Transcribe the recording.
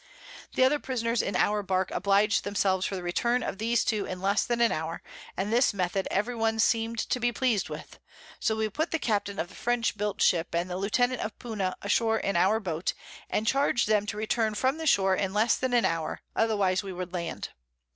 The other Prisoners in our Bark oblig'd themselves for the Return of these two in less than an Hour; and this Method every one seem'd to be pleas'd with; so we put the Captain of the French built Ship, and the Lieutenant of Puna ashore in our Boat, and charged them to return from the Shore in less than an Hour, otherwise we would land.